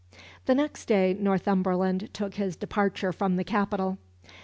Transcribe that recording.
The next day Northumberland took his departure from the capital.